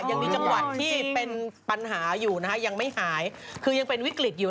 ยังมีจังหวัดที่เป็นปัญหาอยู่นะคะยังไม่หายคือยังเป็นวิกฤตอยู่